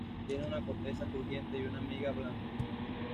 Tiene una corteza crujiente y una miga blanda.